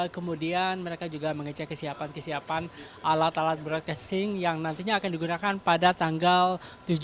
kemudian mereka juga mengecek kesiapan kesiapan alat alat broadcasting yang nantinya akan digunakan pada tanggal tujuh belas agustus dua ribu delapan belas yaitu tiga hari lagi